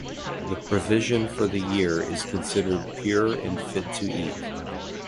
The provision for the year is considered pure and fit to eat.